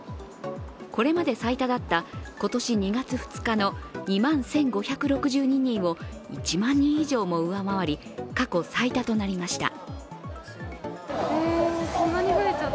これまで最多だった今年２月２日の２万１５６２人を１万人以上も上回り、過去最多となりました。